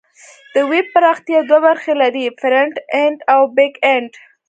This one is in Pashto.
د ویب پراختیا دوه برخې لري: فرنټ اینډ او بیک اینډ.